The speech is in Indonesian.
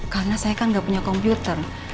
karena saya kan nggak punya komputer